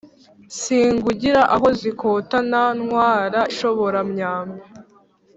singungira aho zikotana ntwara inshoboramyambi.